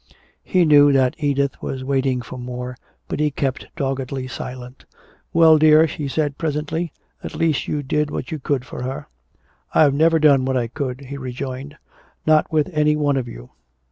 He knew that Edith was waiting for more, but he kept doggedly silent. "Well, dear," she said presently, "at least you did what you could for her." "I've never done what I could," he rejoined. "Not with any one of you."